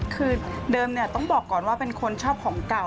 คือเดิมต้องบอกก่อนว่าเป็นคนชอบของเก่า